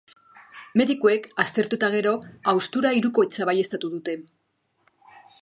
Medikuek, aztertu eta gero, haustura hirukoitza baieztatu dute.